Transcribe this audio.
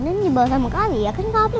dan ini dibawa sama kali ya kan pak rete